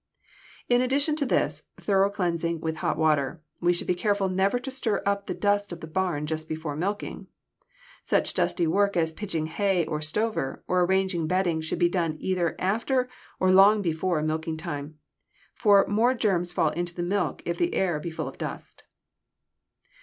In addition to this thorough cleansing with hot water, we should be careful never to stir up the dust of the barn just before milking. Such dusty work as pitching hay or stover or arranging bedding should be done either after or long before milking time, for more germs fall into the milk if the air be full of dust.